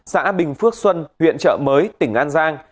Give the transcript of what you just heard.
xã bình phước xuân huyện chợ mới tỉnh an giang